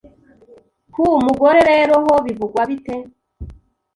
ku mugore rero ho bivugwa bite